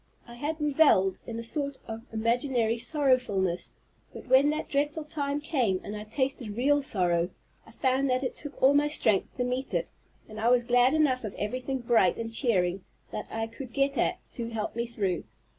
I had revelled in a sort of imaginary sorrowfulness, but when that dreadful time came, and I tasted real sorrow, I found that it took all my strength to meet it, and I was glad enough of everything bright and cheering that I could get at to help me through.